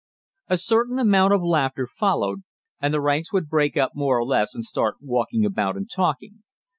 A certain amount of laughter followed, and the ranks would break up more or less and start walking about and talking.